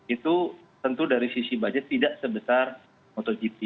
itu tentu dari sisi budget tidak sebesar motogp